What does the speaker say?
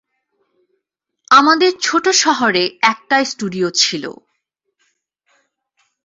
আমাদের ছোট শহরে একটাই স্টুডিও ছিল।